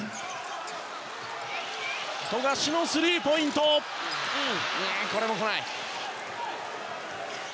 富樫のスリーポイントこれもこない。